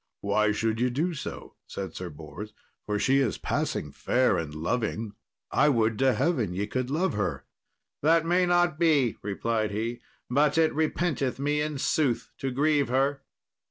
"Why should ye do so?" said Sir Bors; "for she is passing fair and loving. I would to heaven ye could love her." "That may not be," replied he; "but it repenteth me in sooth to grieve her."